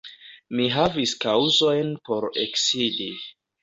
Mi havis kaŭzojn por eksidi.